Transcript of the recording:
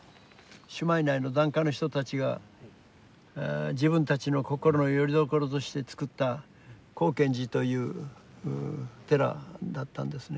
朱鞠内の檀家の人たちが自分たちの心のよりどころとして作った光顕寺という寺だったんですね。